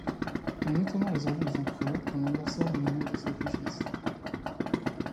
Il est notamment réservé aux empereurs dont l'anniversaire donne lieu à des sacrifices.